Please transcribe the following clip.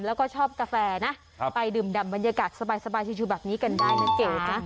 แล้วก็ชอบกาแฟนะไปดื่มดำบรรยากาศสบายชิวแบบนี้กันได้นะเจ๊นะ